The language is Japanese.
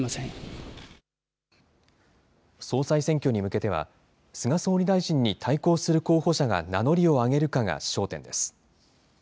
総裁選挙に向けては、菅総理大臣に対抗する候補者が名乗りを上げるかが焦点です。